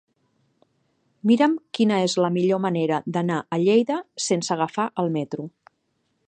Mira'm quina és la millor manera d'anar a Lleida sense agafar el metro.